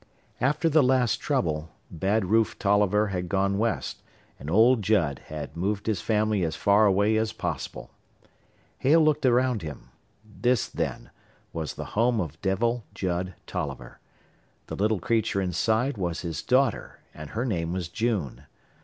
After the last trouble, Bad Rufe Tolliver had gone West and old Judd had moved his family as far away as possible. Hale looked around him: this, then, was the home of Devil Judd Tolliver; the little creature inside was his daughter and her name was June.